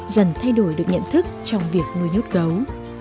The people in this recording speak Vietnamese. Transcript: dần thay đổi được nhận thức trong việc nuôi nhốt gấu